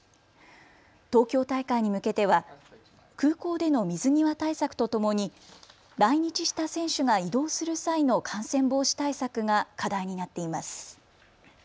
東京大会に向けては空港での水際対策とともに来日した選手が移動する際の感染防止対策が課題になっています。